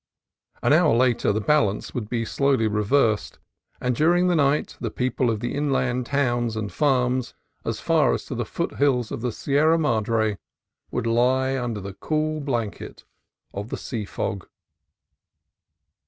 An hour later the balance would be slowly reversed, and during the night the people of the inland towns and farms as far as to the foot CALIFORNIA LAND GRANTS 27 hills of the Sierra Madre would lie under the cool blanket of the sea fog.